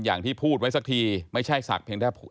อย่างที่พูดไว้สักทีไม่ใช่ศักดิ์